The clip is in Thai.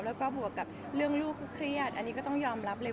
แล้วก็บวกกับเรื่องลูกคือเครียดอันนี้ก็ต้องยอมรับเลย